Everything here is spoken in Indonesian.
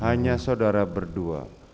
hanya saudara berdua